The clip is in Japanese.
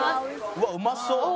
うわっうまそう！